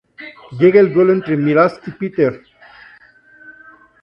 Llega el duelo entre Miraz y Peter.